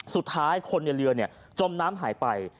สุดท้ายคนในเรือจมน้ำหายไป